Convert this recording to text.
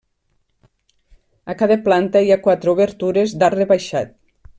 A cada planta hi ha quatre obertures d'arc rebaixat.